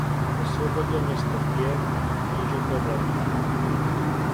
Osvobodil město Kyjev a knížete Vladimíra.